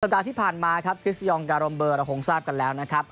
ปัดที่ผ่านมาครับคริสยองการรมเบอร์เราคงทราบกันแล้วนะครับ